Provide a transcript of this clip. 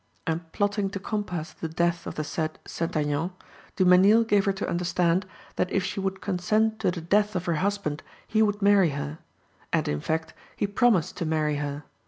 And plotting to compass the death of the said St. Aignan, Dumesnil gave her to understand that if she would consent to the death of her husband he would marry her; and, in fact, he promised to marry her.